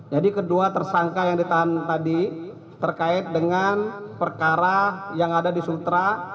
jadi kedua tersangka yang ditahan tadi terkait dengan perkara yang ada di sultra